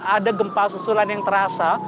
ada gempa susulan yang terasa